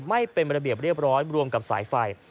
ไม่เป็นระเบียบเรียบร้อยรวมกับสายไฟ